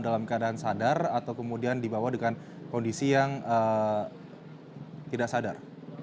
dalam keadaan sadar atau kemudian dibawa dengan kondisi yang tidak sadar